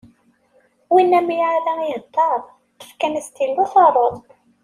Winna m'ara ihedder, ṭṭef kan astilu taruḍ.